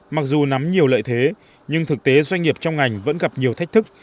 mặc dù nắm nhiều lợi thế nhưng thực tế doanh nghiệp trong ngành vẫn gặp nhiều thách thức